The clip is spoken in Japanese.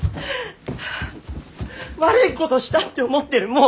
悪いことしたって思ってる。